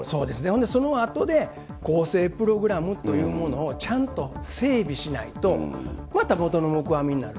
ほんで、そのあとで更生プログラムというものを、ちゃんと整備しないと、また元の木阿弥になる。